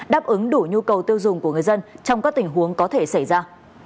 đáp ứng đủ nhu cầu tiêu dùng của người dân trong các tình huống có thể xảy ra